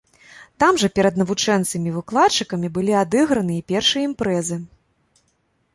Там жа перад навучэнцамі і выкладчыкамі былі адыграны і першыя імпрэзы.